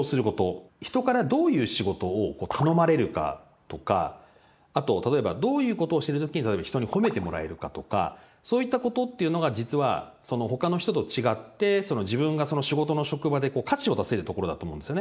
人からどういう仕事を頼まれるかとかあと例えばどういうことをしてる時に例えば人に褒めてもらえるかとかそういったことっていうのが実は他の人と違って自分がその仕事の職場で価値を出せるところだと思うんですよね。